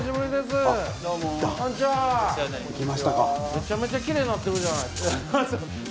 めちゃめちゃ奇麗になってるじゃないですか。